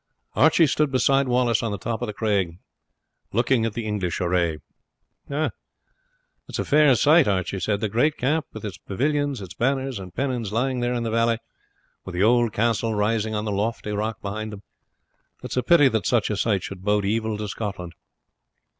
Archie stood beside Wallace on the top of the craig, looking at the English array. "It is a fair sight," he said; "the great camp, with its pavilions, its banners, and pennons, lying there in the valley, with the old castle rising on the lofty rock behind them. It is a pity that such a sight should bode evil to Scotland."